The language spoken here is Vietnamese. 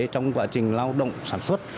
trong quá trình lao động sản xuất